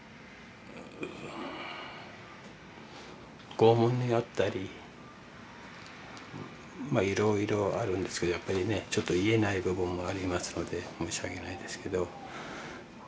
拷問に遭ったりまあいろいろあるんですけどやっぱりねちょっと言えない部分もありますので申し訳ないですけど。